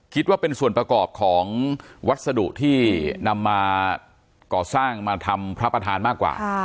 คิดว่าเป็นส่วนประกอบของวัสดุที่นำมาก่อสร้างมาทำพระประธานมากกว่า